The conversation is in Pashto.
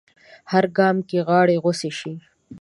هر ګام کې غاړې غوڅې شي